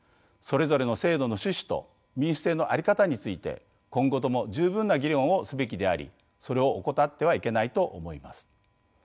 それぞれの制度の趣旨と民主制の在り方について今後とも十分な議論をすべきでありそれを怠ってはいけないと思います。